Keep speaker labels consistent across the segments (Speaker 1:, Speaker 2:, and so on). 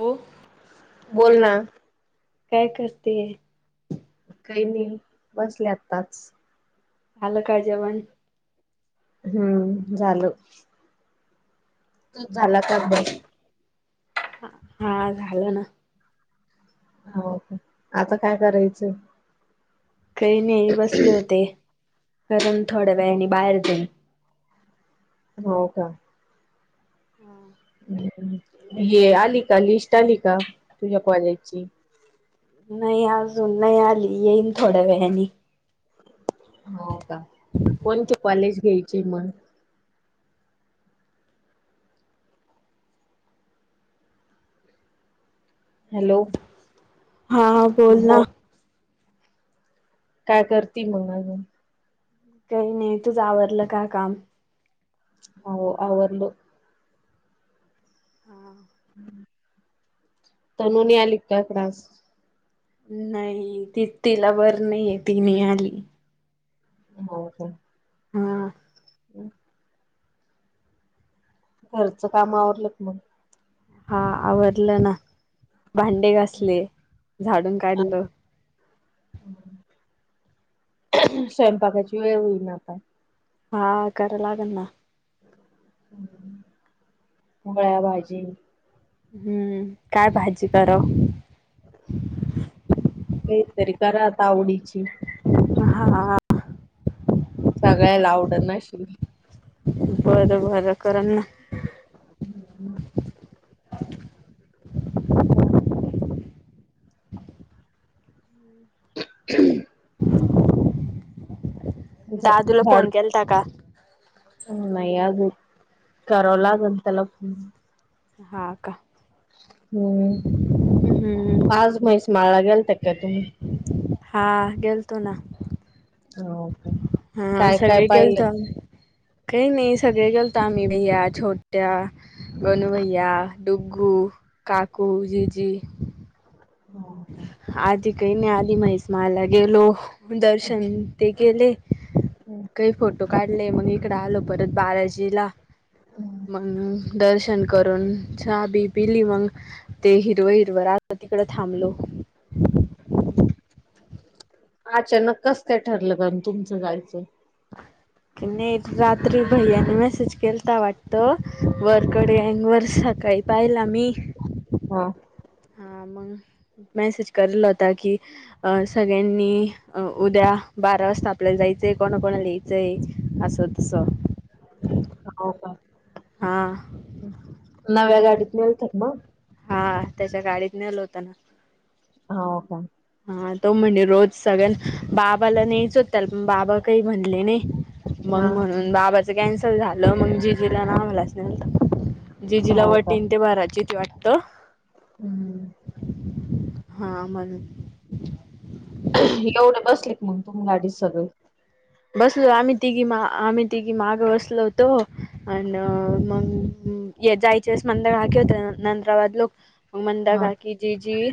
Speaker 1: हो
Speaker 2: बोल ना.
Speaker 1: काय करतीये?
Speaker 2: काही नाही बसले आताच.
Speaker 1: झाल का जेवण?
Speaker 2: हम्म, झाल. तूच झाला का अभ्यास?
Speaker 1: हा झाला ना.
Speaker 2: हो आता काय करायचं?
Speaker 1: काही नाही बसले होते कारन थोड्या
Speaker 2: हो
Speaker 1: वेळाने बाहेर जाईल.
Speaker 2: हो का.
Speaker 1: हम्म.
Speaker 2: हे आली का लिस्ट आली का तुझ्या कॉलेजची?
Speaker 1: नाही अजून नाही आली येईन थोड्या वेळानी.
Speaker 2: हो का, कोणते कॉलेज घ्यायची मग? हॅलो.
Speaker 1: हा, हा बोल ना.
Speaker 2: काय करती मग अजून?
Speaker 1: काही नहीं, तूझ आवरलं का काम?
Speaker 2: हो आवरल.
Speaker 1: हम्म.
Speaker 2: तनु नाही आली काय त्रास?
Speaker 1: नाही ती तिला बर नाही आहे ती नाय आली.
Speaker 2: हो का.
Speaker 1: हा.
Speaker 2: हम् [inaudible] घरचं काम आवरलंत मग?
Speaker 1: हा आवरलं ना भांडे घासले, झाडून
Speaker 2: अन.
Speaker 1: काढलं
Speaker 2: स्वयंपाकाची वेळ होईन जात आसल?
Speaker 1: हा करा लागना.
Speaker 2: मोगळ्या भाजी
Speaker 1: हम्म, काय भाजी करावं?
Speaker 2: काही तरी करा आता आवडीची.
Speaker 1: ह हा हा.
Speaker 2: सगळ्या ला आवड अशी.
Speaker 1: बरं बरं करल ना.
Speaker 2: हम् [inaudible]
Speaker 1: [inaudible]
Speaker 2: हो. ह् [inaudible] [unintelligible]
Speaker 1: दादूला फोन
Speaker 2: झाडू
Speaker 1: केला ता का.
Speaker 2: नाही अजून करावं लागलं त्याला
Speaker 1: हा का
Speaker 2: हम्म
Speaker 1: हम्म
Speaker 2: आज म्हैस माळला गेल त्या का तुम्ही?
Speaker 1: हा गेल तो ना.
Speaker 2: हो का.
Speaker 1: हम्म
Speaker 2: काय काय
Speaker 1: सगळे गेल
Speaker 2: पाहिलं?
Speaker 1: तो आम्ही. काही नाही सगळे गलत आम्ही भिया छोट्या, गणू भैया डुग्गु काकू जीजी.
Speaker 2: हो का.
Speaker 1: आधी काही न आधी महिष मला गेलो दर्शन ते केले काही फोटो काढले मग इकड आलो परत बाराजीला
Speaker 2: हम्म.
Speaker 1: मग दर् करून चाहा बी बी लि मंग ते हिर हिर तिकड थांबलो
Speaker 2: अचानक कसत ठरलं पण तुमचं जायचं.
Speaker 1: [unintelligible] नाही रात्री भैय्याने मेसेज केलता वाटत वरकडे अंग वर सकाळी पहिला मी.
Speaker 2: हा
Speaker 1: हा मग मेसेज केरल ताकी सगळ्यांनी, उद्या बारा वाजता आपल्याला जायचंय कोणा कोणा लियचंय असं. तसं
Speaker 2: हो काय.
Speaker 1: हा.
Speaker 2: नव्या गाडीत नेलत ब
Speaker 1: हा त्याच्या गाडीत नेल होत ना,
Speaker 2: हाव का.
Speaker 1: हा तो म्हणजे रोज सगळ्यां बाबाला नाहीच होत पण बाबा काही म्हणले नाही. मग
Speaker 2: हा.
Speaker 1: म्हणून बाबाच कॅन्सल मग जीजूला आम्हाला स्नेहाव जिजु ला
Speaker 2: हो
Speaker 1: व
Speaker 2: का.
Speaker 1: तीन ते बाराची वाटतं
Speaker 2: हम्म
Speaker 1: हा म्हण
Speaker 2: एवढे बसले क मग तुम आदी सगळ
Speaker 1: बसल आम्ही तिघी मा आम्ही तिघी मागं बसलो होतो अन मग जायचेस मंद घाकी होते नंतराबाद लोक मंदार
Speaker 2: हा.
Speaker 1: घाकी जी जी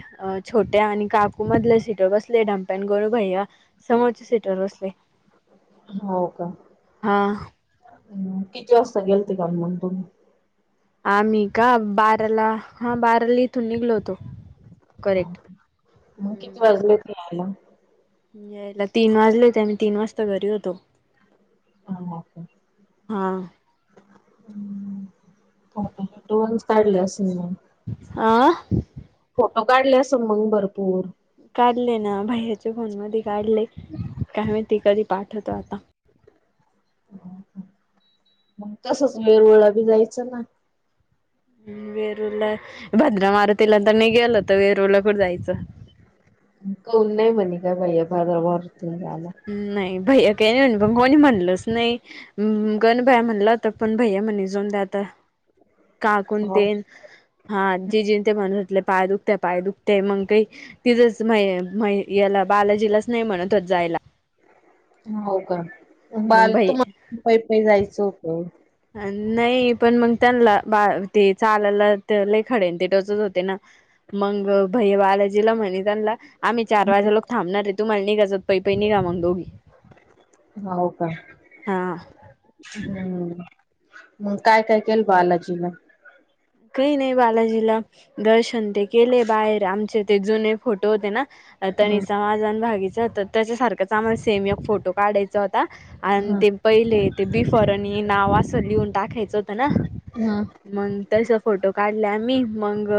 Speaker 1: छोट्या आणि काकूमधल्या सीटवर बसले डमप्या आणि गरु भैय्या समोरच्या सीटवर बसले.
Speaker 2: हो का.
Speaker 1: हा
Speaker 2: किती वाजता गेल ते काल म्हणून तुम्ही
Speaker 1: आम्ही का बाराला हा बाराला इथून निघलो होतो. करेक्ट
Speaker 2: मग
Speaker 1: हम्म
Speaker 2: किती वाजले ते यायला?
Speaker 1: यायला तीन वाजले होते आम्ही तीन वाजता घरी होतो. हा
Speaker 2: [inaudible] फट फोटो दोनच काढले असेल मग,
Speaker 1: आह
Speaker 2: फोटो काढले अस मग भरपूर.
Speaker 1: काढले ना भाई ह्याच्या फोन मध्ये काढले काय माहिती कधी पाठवतो आता.
Speaker 2: मग तसच वेरूळला बी जायचं ना,
Speaker 1: वेरूरला भद्रा मारुतीलां तर नाही गेलो तर वेरूळला कुठं जायचं?
Speaker 2: मून नाही म्हणे [unintelligible] भाईया [unintelligible]
Speaker 1: नाही, भैया काही नाही पण कोणी म्हणलच नाही. गण भैया म्हणलं होता, पण भैया म्हणे जाऊन द्या आता.
Speaker 2: हो.
Speaker 1: काकूणते हा जे जे ते म्हणत होतले पाय दुखते पाय दुखते मग काही तिझंच म्हय म्हय याला बालाजीलाच नाही म्हणत होत जायला.
Speaker 2: हो का
Speaker 1: मग
Speaker 2: बाल
Speaker 1: भै
Speaker 2: तुम्ह पै पै जायचं होतं.
Speaker 1: नाही पण मग त्यांनला बा ते चालाला त्या खडे टोचत होते ना, मग भैया बालाजीला म्हणे त्यांनला आम्ही चार वाजे लोक थांबणार आहे. तुम्हाला निघाच पै पै निघा मग दोघी.
Speaker 2: हो का,
Speaker 1: हा
Speaker 2: हम्म, मग काय काय केलं बालाजीला?
Speaker 1: काही नाही बालाजीला दर्शन ते केले बाहेर आमचे ते जुने फोटो होते ना,
Speaker 2: हम्म
Speaker 1: तनीचा माझण भागीचा होता तशासारखंच आम्हाला सेम एक फोटो काढायचा. च होता. आणि
Speaker 2: हम्म
Speaker 1: ते पहिले ते बि फॉरनी नाव असं लिहून टाकायचं होतं ना,
Speaker 2: हा,
Speaker 1: मग तसं फोटो काढले आम्ही मग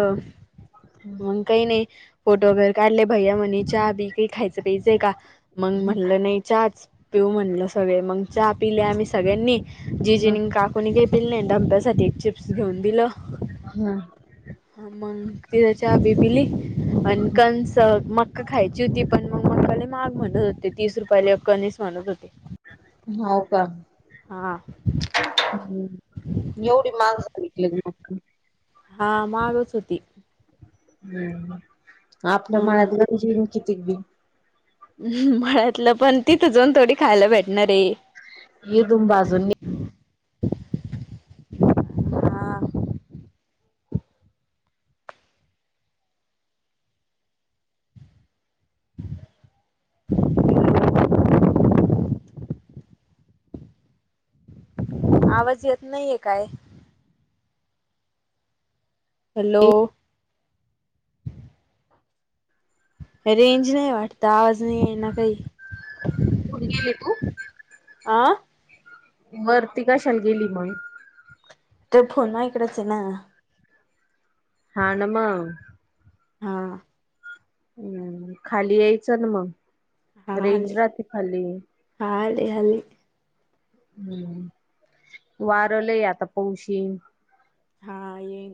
Speaker 2: ह
Speaker 1: मग काही नाही फोटो वगैरे काढले भैया म्हणे चहा बी ते खायचं प्यायचंय का? मग म्हणलं नाही चाच पिऊ म्हणलं सगळे मग चहा पिले आम्ही सगळ्यांनी.
Speaker 2: हम्म
Speaker 1: जीजिनी काकूणी काही पिले नाही. डंब्यासाठी चिप्स घेऊन दिलं.
Speaker 2: हा,
Speaker 1: हा मग तिथ चहा बी पिली. अन् कणसं मका खायची होती. पण मग मका लई माहाग म्हणत होते. तीस रुपयाले एक कणीस म्हणत होते.
Speaker 2: हो का,
Speaker 1: हा,
Speaker 2: एवढी माग [unintelligible]
Speaker 1: हा मागच होती.
Speaker 2: हम्, आपलं
Speaker 1: हा
Speaker 2: मळ्यात ग [unintelligible] कितीक बी
Speaker 1: म्हळ्यातलं पण तिथ जाऊन थोडी खायला भेटणार आहे.
Speaker 2: इदून भाजुन ने.
Speaker 1: हा आवाज येत नाहीये काय? हॅलो, रेंज नाही वाटतं. आवाज नाही येईना काही.
Speaker 2: कुठ गेली तू?
Speaker 1: आं,
Speaker 2: वरती कशाला गेली मग?
Speaker 1: ते फोन ना इकडच हे ना,
Speaker 2: हा न म
Speaker 1: हा,
Speaker 2: हम्म, खाली यायचं न मग
Speaker 1: हा आले.
Speaker 2: रेंज राहते खाली.
Speaker 1: हा आले आले.
Speaker 2: हम्म, वार लंय आता पाऊस येईल.
Speaker 1: हा ये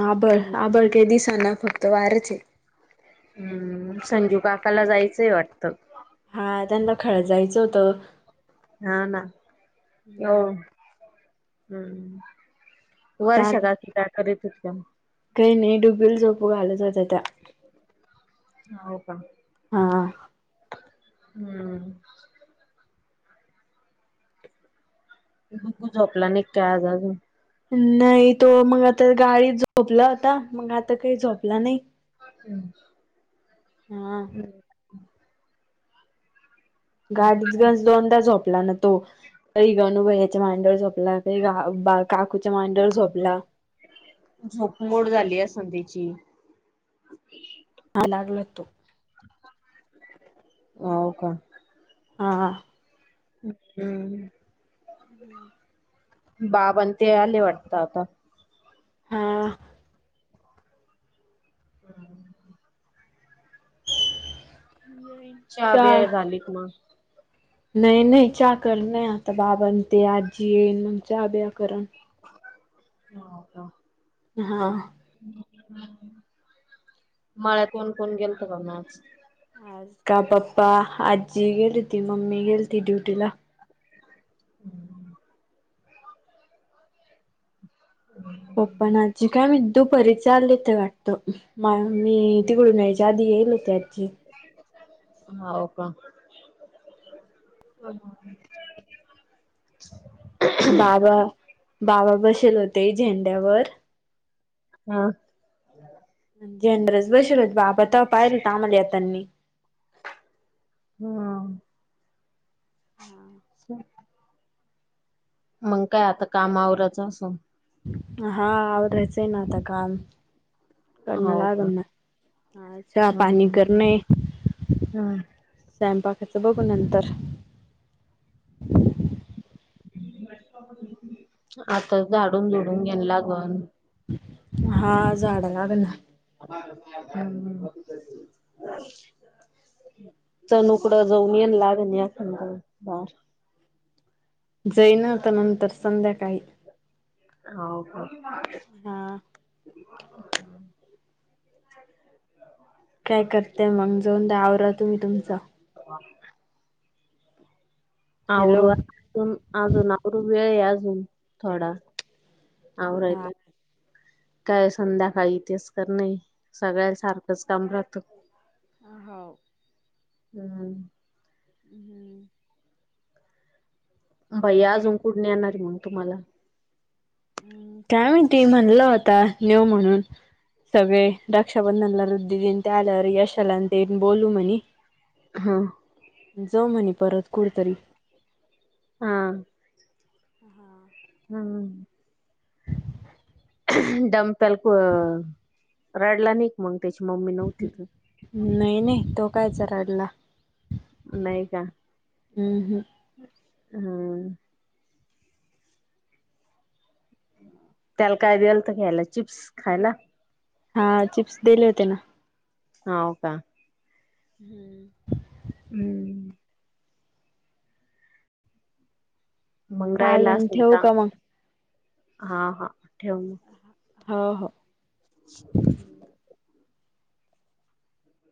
Speaker 1: आभळ आभळ काय दिसना फक्त वारंच आहे.
Speaker 2: हम् संजू काकाला जायचंय वाटतं.
Speaker 1: हा त्यांना खळ जायचं होतं.
Speaker 2: हा ना हो
Speaker 1: हम्म.
Speaker 2: हम्.
Speaker 1: चाल
Speaker 2: वर्षा काकी काय करीत हुत्यम
Speaker 1: काही नाही डुबुल झोपु घालंत होत्या त्या.
Speaker 2: हो का?
Speaker 1: हा.
Speaker 2: हम्म. डुगू झोपला नाही का आज अजून?
Speaker 1: नाही तो मग आता गाडीत झोपला होता मग आता काही झोपला नाही.
Speaker 2: हम्म
Speaker 1: हा
Speaker 2: हम्
Speaker 1: गाडीत गज दोनदा झोपला ना तो काही गणु भय्याच्या मांडीवर झोपला काही बा काकूच्या मांडीवर झोपला.
Speaker 2: झोपमोड झाली असलं त्याची.
Speaker 1: आ लागला तो
Speaker 2: हो का?
Speaker 1: हां हा.
Speaker 2: हम्
Speaker 1: हम्म
Speaker 2: बाबा अन् ते आले वाटत आता.
Speaker 1: हा.
Speaker 2: हम् चहा
Speaker 1: चार
Speaker 2: बीया झालीत मग?
Speaker 1: नाही नाही चा करन आता बाबा अन् ते आजी येईन मग चा ब्या करनं.
Speaker 2: हो का.
Speaker 1: हा.
Speaker 2: मळ्यात कोण कोण गेलतं का मग आज?
Speaker 1: आज का पप्पा आजी गेली ती मम्मी गेली ती ड्युटीला.
Speaker 2: हम्म. [unintelligible]
Speaker 1: पप्पा अन् आजी काय माहित दुपारी चालेते वाटतं. म मी तिकडून यायच्या आधी येईल होती आज्जी.
Speaker 2: हो का?
Speaker 1: बाबा बाबा बसेल होते झेंड्यावर.
Speaker 2: हा
Speaker 1: झेंड्यालाच बसलते बाबा तवा पाहिलंत आम्हाला येतांनी.
Speaker 2: हम्म
Speaker 1: हां.
Speaker 2: [inaudible] मग काय आता काम आवरायच असु
Speaker 1: हा आवरायच आहे ना आता काम. कला
Speaker 2: हो
Speaker 1: ना
Speaker 2: का?
Speaker 1: करण हा चा पाणी
Speaker 2: हम्म
Speaker 1: कर नाही.
Speaker 2: हम्म
Speaker 1: स्वयंपाकाचं बघू नंतर.
Speaker 2: आता झाडून झुडून घेन लागनं.
Speaker 1: हा झाडा लागलना.
Speaker 2: हम [unintelligible] चनू उकड जाऊन येन लागन एकाद बार
Speaker 1: जाईन आता नंतर संध्याकाळी.
Speaker 2: हो का
Speaker 1: हा काय करतेय मग जाऊन द्या आवरा तुम्ही तुमचा.
Speaker 2: हा. आवरू
Speaker 1: हॅलो
Speaker 2: अजून अजून आवरू वेळ आहे अजून थोडा.
Speaker 1: हा
Speaker 2: आवरायला काय संध्याकाळी तेच करणये सगळ्यांन सारखच काम राहत.
Speaker 1: अ होव.
Speaker 2: हम्म हम
Speaker 1: हम्म
Speaker 2: बाई अजून कुठ नेणार हे मग तुमाला.
Speaker 1: काय मणतीये म्हणल होता नेऊ म्हणून. सगळे रक्षाबंधनला रुद्धी देन त्या आल्यावर यशाला तेन बोलू म्हणे.
Speaker 2: हा
Speaker 1: जाऊ म्हने परत कुठतरी.
Speaker 2: हा
Speaker 1: हा
Speaker 2: हम्म हम्म डमतल कोन रडला नाही का मग त्याची मम्मी नव्हती त
Speaker 1: नाही नाही तो कायच राडला.
Speaker 2: नाही का
Speaker 1: हम्म हम्म
Speaker 2: हम्म. त्याला काय देलत खायला चिप्स खायला.
Speaker 1: हा चिप्स देले होते ना.
Speaker 2: हो का
Speaker 1: हम्म.
Speaker 2: हम्म मंगरायला
Speaker 1: चालेल
Speaker 2: असध
Speaker 1: ठेवू का मग
Speaker 2: हा हा ठेव.
Speaker 1: हो हो
Speaker 2: हम्. [unintelligible]